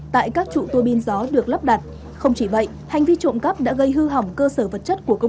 tại các trụ tua bin gió